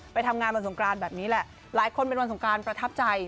ไปทำงานวันสงกรานแบบนี้แหละผู้ของการประทับใจ